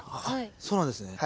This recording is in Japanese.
そうなんですね。